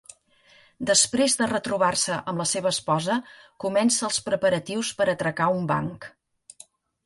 Després de retrobar-se amb la seva esposa, comença els preparatius per atracar un banc.